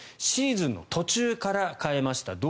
シーズンの途中から変えました。